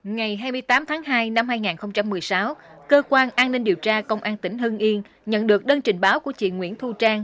ngày hai mươi tám tháng hai năm hai nghìn một mươi sáu cơ quan an ninh điều tra công an tỉnh hưng yên nhận được đơn trình báo của chị nguyễn thu trang